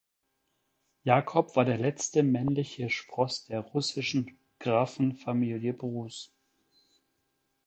Jacob war der letzte männliche Spross der russischen Grafenfamilie Bruce.